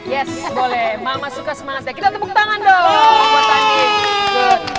yes boleh mama suka semangat ya kita tepuk tangan dong mama tadi